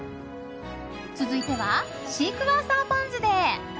続いてはシークヮーサーポン酢で。